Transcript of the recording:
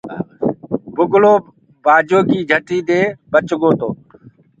بُگلو بآجو ڪي جھٽي دي بچ گوتو۔